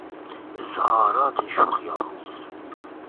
اظهارات شوخی آمیز